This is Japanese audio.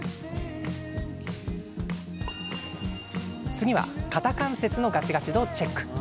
次は、肩関節のガチガチ度をチェック。